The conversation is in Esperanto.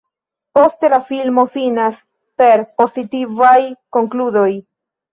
Poste la filmo finas per pozitivaj konkludoj.